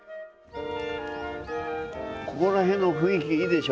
ここらへんの雰囲気いいでしょ。